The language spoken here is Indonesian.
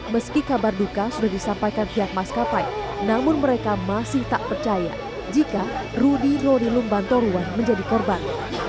meski kabar duka sudah disampaikan pihak maskapai namun mereka masih tak percaya jika rudi rori lumban toruan menjadi korban